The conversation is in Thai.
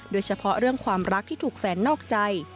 โดยเฉพาะเรื่องความรักที่ถูกแฟนนอกใจ